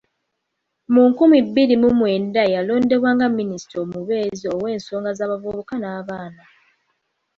Mu nkumi bbiri mu mwenda yalondebwa nga minisita omubeezi ow’ensonga z’abavubuka n’abaana.